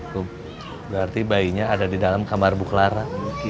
berarti bayinya ada di dalam kamar bu clara